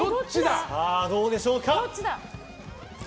どうでしょうか。